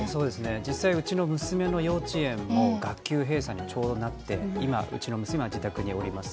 実際、うちの娘の幼稚園も学級閉鎖にちょうどなって、今、うちの娘も自宅におります。